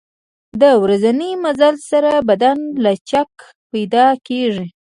د ورځني مزل سره بدن لچک پیدا کېږي.